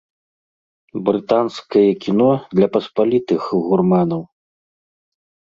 Брытанскае кіно для паспалітых гурманаў.